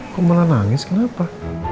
aku malah nangis kenapa